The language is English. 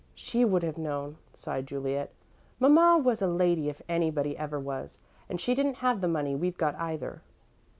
"She would have known," sighed Juliet. "Mamma was a lady if anybody ever was, and she didn't have the money we've got either."